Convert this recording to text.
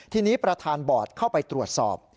ทีนี้ประธานบอร์ดเข้าไปตรวจสอบ